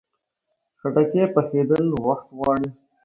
خټکی پخېدل وخت غواړي.